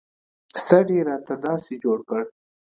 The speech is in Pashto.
سر يې راته داسې جوړ کړ.